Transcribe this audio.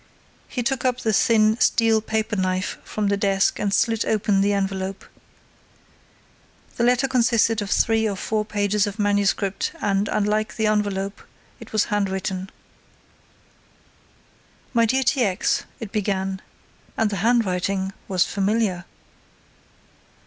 He took up the thin, steel, paper knife from the desk and slit open the envelope. The letter consisted of three or four pages of manuscript and, unlike the envelope, it was handwritten. "My dear T. X.," it began, and the handwriting was familiar.